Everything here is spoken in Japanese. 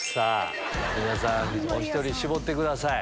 皆さんお１人絞ってください。